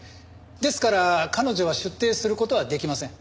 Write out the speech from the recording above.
ですから彼女は出廷する事はできません。